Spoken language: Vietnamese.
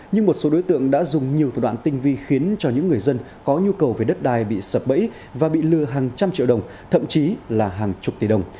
nhưng một số đối tượng đã dùng nhiều thủ đoạn tinh vi khiến cho những người dân có nhu cầu về đất đai bị sập bẫy và bị lừa hàng trăm triệu đồng thậm chí là hàng chục tỷ đồng